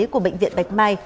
của bệnh viện bạch mai